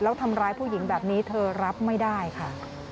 แล้วทำร้ายผู้หญิงแบบนี้เธอรับไม่ได้ค่ะ